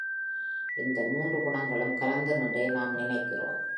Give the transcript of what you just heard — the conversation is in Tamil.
இந்த மூன்று குணங்களும் கலந்து நின்றே நாம் நினைக்கிறோம்.